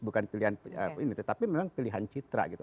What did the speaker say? bukan pilihan ini tetapi memang pilihan citra gitu